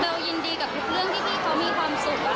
ยินดีกับทุกเรื่องที่พี่เขามีความสุข